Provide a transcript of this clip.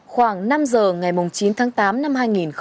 khoảng năm h ngày chín tháng tám năm hai nghìn một mươi sáu